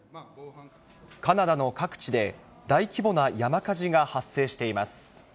カナダの各地で大規模な山火事が発生しています。